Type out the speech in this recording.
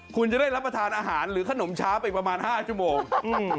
คุณจะได้รับประทานอาหารหรือขนมช้าไปประมาณห้าชั่วโมงอืม